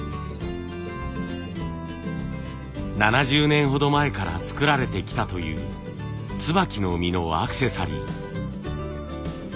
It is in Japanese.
７０年ほど前から作られてきたという椿の実のアクセサリー。